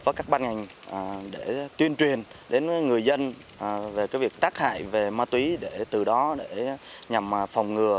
với các ban ngành để tuyên truyền đến người dân về việc tác hại về ma túy để từ đó để nhằm phòng ngừa